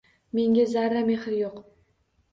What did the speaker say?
Menga zarra mehr yo’q.